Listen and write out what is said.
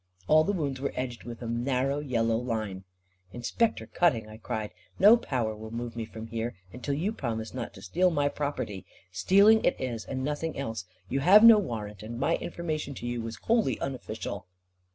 All the wounds were edged with a narrow yellow line. "Inspector Cutting," I cried, "no power will move me from here, until you promise not to steal my property. Stealing it is, and nothing else. You have no warrant, and my information to you was wholly unofficial."